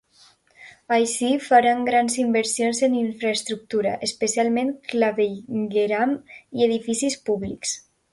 Així, faran grans inversions en infraestructura, especialment clavegueram i edificis públics.